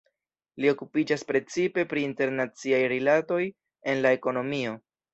Li okupiĝas precipe pri internaciaj rilatoj en la ekonomio.